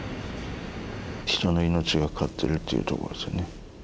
人の命がかかってるっていうとこですね。